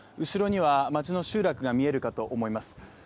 後ろには街の集落が見えるかと思います。